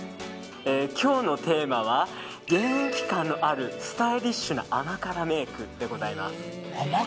今日のテーマは現役感のあるスタイリッシュな甘辛メイクでございます。